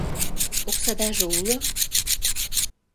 Оксадаже уло?